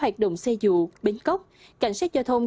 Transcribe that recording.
hoạt động xe dụ bến cốc cảnh sát giao thông